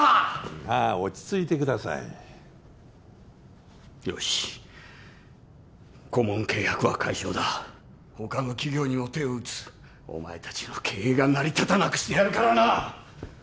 まあ落ち着いてくださいよし顧問契約は解消だ他の企業にも手を打つお前達の経営が成り立たなくしてやるからな！